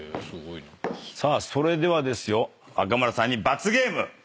さあそれではですよ若村さんに罰ゲーム。